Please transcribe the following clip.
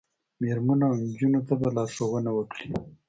میرمنو او نجونو ته به لارښوونه وکړي